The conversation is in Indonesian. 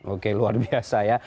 oke luar biasa ya